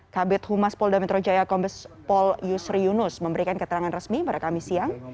kabit humas polda metro jaya kombes pol yusri yunus memberikan keterangan resmi pada kamis siang